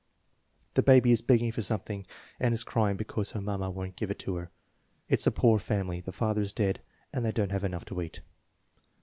"The baby is begging for something and is crying because her mamma won't give it to her." "It's a poor family. The father is dead and they don't have enough to eat."